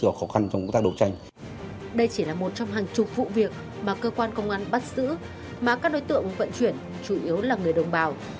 đây chỉ là một trong hàng chục vụ việc mà cơ quan công an bắt giữ mà các đối tượng vận chuyển chủ yếu là người đồng bào